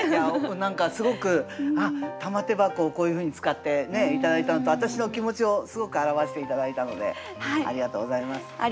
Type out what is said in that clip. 何かすごく「玉手箱」をこういうふうに使って頂いたのと私の気持ちをすごく表して頂いたのでありがとうございます。